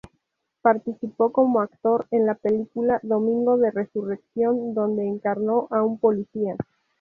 Participó como actor en la película Domingo de Resurrección donde encarnó a un policía.